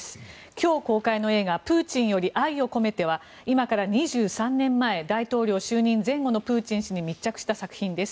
今日公開の映画「プーチンより愛を込めて」は今から２３年前大統領就任前後のプーチン氏に密着した作品です。